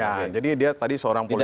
ya jadi dia tadi seorang polisi